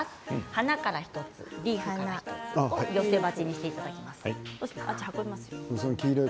花から１つ、リーフから１つ寄せ鉢にしていただきます。